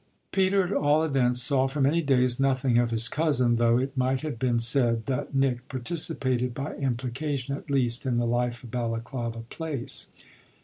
Peter at all events saw for many days nothing of his cousin, though it might have been said that Nick participated by implication at least in the life of Balaklava Place.